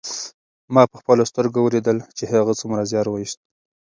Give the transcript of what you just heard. ما په خپلو سترګو ولیدل چې هغه څومره زیار ویوست.